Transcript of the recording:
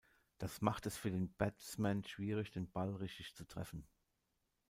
Das macht es für den Batsman schwierig, den Ball richtig zu treffen.